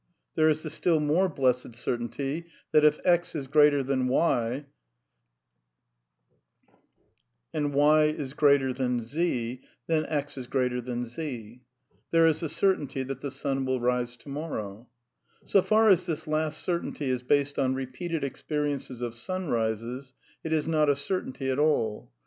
There is the still more blessed certainty that if X is greater than T and Y is greater than Z, then X is greater than Z. There is the certainty that the sun will rise to morrow. So far as this last certainty is based on repeated ex periences of sunrises, it is not a certainty at all.